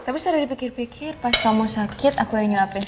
tapi saya udah dipikir pikir pas kamu sakit aku yang nyuapin